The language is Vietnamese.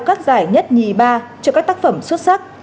các giải nhất nhì ba cho các tác phẩm xuất sắc